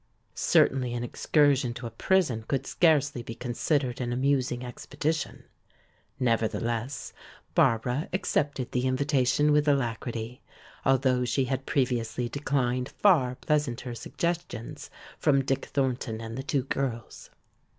Certainly an excursion to a prison could scarcely be considered an amusing expedition. Nevertheless, Barbara accepted the invitation with alacrity, although she had previously declined far pleasanter suggestions from Dick Thornton and the two girls.